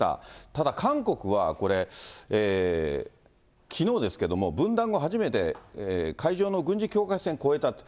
ただ、韓国はこれ、きのうですけれども、分断後初めて、海上の軍事境界線越えたと。